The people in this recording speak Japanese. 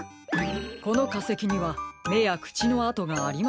このかせきにはめやくちのあとがありませんね。